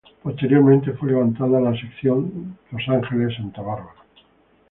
Posteriormente fue levantada la sección Los Ángeles-Santa Bárbara.